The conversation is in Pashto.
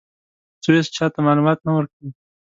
سویس چا ته معلومات نه ورکوي.